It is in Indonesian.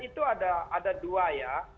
itu ada dua ya